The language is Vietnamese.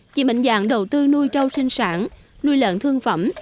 chị mạnh dạng đầu tư nuôi trâu sinh sản nuôi lợn thương phẩm